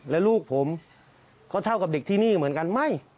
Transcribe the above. และลูกผมก็เท่ากับเด็กที่นี่เหมือนกันไม่